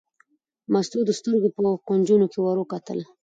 مستو د سترګو په کونجونو کې ور وکتل.